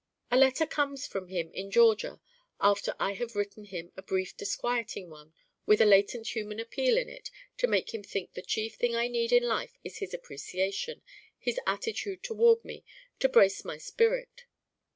A letter comes from him in Georgia after I have written him a brief disquieting one with a latent human appeal in it to make him think the chief thing I need in life is his appreciation, his attitude toward me, to brace my spirit.